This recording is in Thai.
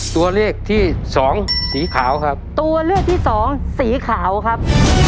ตัวเลือกที่สองสีขาวครับตัวเลือกที่สองสีขาวครับ